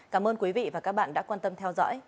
cảm ơn quý vị và các bạn đã quan tâm theo dõi